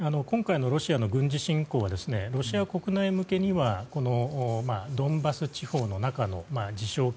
今回のロシアの軍事侵攻はロシア国内向けにドンバス地方の中の自称